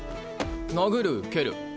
殴る蹴る。